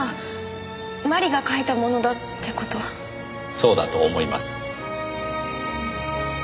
そうだと思います。